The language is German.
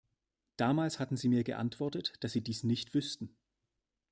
Damals hatten Sie mir geantwortet, dass Sie dies nicht wüßten.